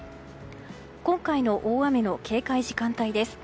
今回の大雨の警戒時間帯です。